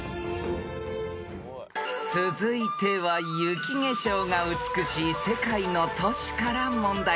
［続いては雪化粧が美しい世界の都市から問題］